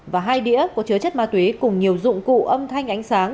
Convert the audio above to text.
và hai đĩa có chứa chất ma túy cùng nhiều dụng cụ âm thanh ánh sáng